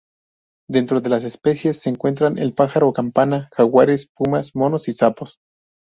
Dentro de las especies se encuentran el pájaro campana, jaguares, pumas, monos y sapos.